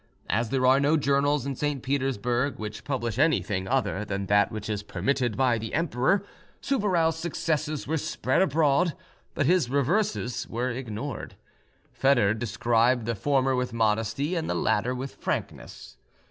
As there are no journals in St. Petersburg which publish anything other than that which is permitted by the emperor, Souvarow's successes were spread abroad, but his reverses were ignored. Foedor described the former with modesty and the latter with frankness.